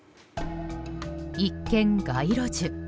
一見、街路樹。